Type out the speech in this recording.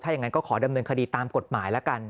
อย่างนั้นก็ขอดำเนินคดีตามกฎหมายแล้วกัน